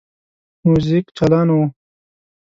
موزیک چالانه وو.